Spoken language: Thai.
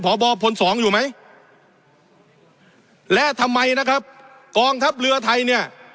พบพลสองอยู่ไหมและทำไมนะครับกองทัพเรือไทยเนี่ย